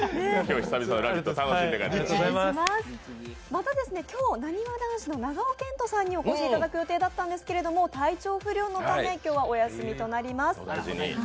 また、今日、なにわ男子の長尾謙杜さんにお越しいただく予定だったんですけれども体調不良のため今日はお休みとなります。